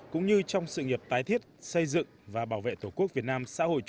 cũng như trong sự nghiệp tái thiết xây dựng và bảo vệ tổ quốc việt nam